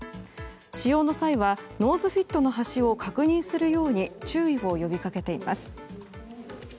使用の際はノーズフィットの端を確認するように注意を呼び掛けています。